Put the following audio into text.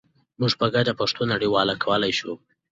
موږ په ګډه پښتو نړیواله کولای شو.